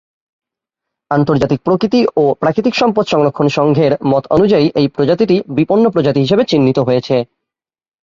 আন্তর্জাতিক প্রকৃতি ও প্রাকৃতিক সম্পদ সংরক্ষণ সংঘের মতানুযায়ী এই প্রজাতিটি বিপন্ন প্রজাতি হিসেবে চিহ্নিত হয়েছে।